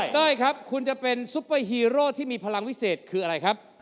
เต้ยครับคุณจะเป็นซุปเปอร์ฮีโร่ที่มีพลังวิเศษคืออะไรครับ